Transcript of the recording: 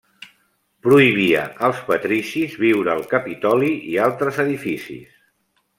Prohibia als patricis viure al Capitoli i altres edificis.